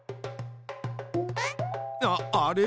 あっあれ？